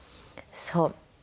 そう。